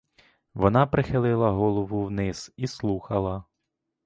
Вона прихилила голову вниз і слухала.